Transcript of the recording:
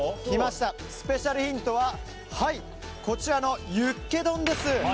スペシャルヒントはこちらのユッケ丼です。